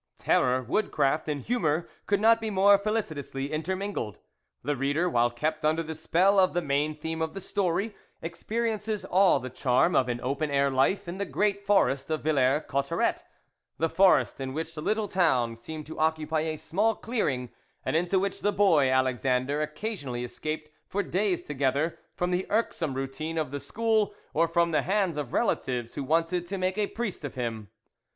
Terror, wood craft, and humour could not be more felicitously intermingled. The reader, while kept under the spell of the main theme of the story, experiences all the charm of an open air life in the great forest of Villers Cotterets the forest in which the little town seemed to occupy a small clearing, and into which the boy Alexandre occasionally escaped for days together from the irksome routine of the school or from the hands of relatives who wanted to make a priest of him.